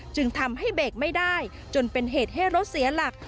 จึงทำให้เบรกไม่ได้จนเป็นเหตุให้รถเสียหลัก